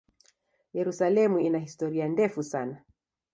Yerusalemu ina historia ndefu sana.